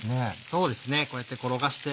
そうですねこうやって転がして。